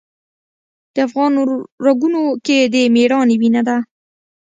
د افغان رګونو کې د میړانې وینه ده.